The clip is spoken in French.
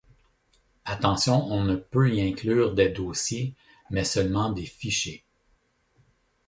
Attention on ne peut y inclure des dossiers mais seulement des fichiers.